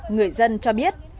người dân cho biết